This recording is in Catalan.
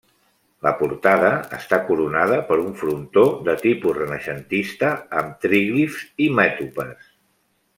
La portada està coronada per un frontó de tipus renaixentista, amb tríglifs i mètopes.